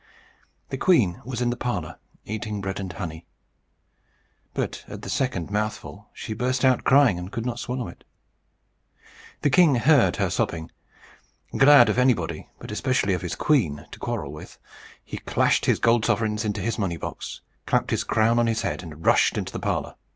The queen was in the parlour, eating bread and honey. But at the second mouthful she burst out crying, and could not swallow it. The king heard her sobbing. Glad of anybody, but especially of his queen, to quarrel with, he clashed his gold sovereigns into his money box, clapped his crown on his head, and rushed into the parlour.